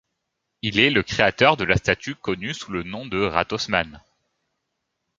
Il est le créateur de la statue connue sous le nom de Rathausmann.